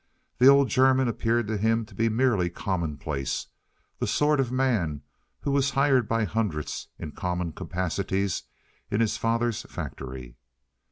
The old German appeared to him to be merely commonplace—the sort of man who was hired by hundreds in common capacities in his father's factory.